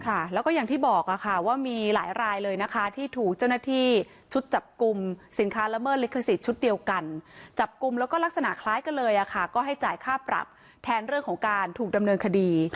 ค่ะแล้วก็อย่างที่บอกค่ะว่ามีหลายรายเลยนะคะที่ถูกเจ้าหน้าที่ชุดจับกลุ่มสินค้าละเมิดลิขสิทธิ์ชุดเดียวกันจับกลุ่มแล้วก็ลักษณะคล้ายกันเลยอ่ะค่ะก็ให้จ่ายค่าปรับแทนเรื่องของการถูกดำเนินคดี